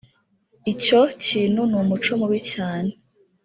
icyo kintu ni umuco mubi cyane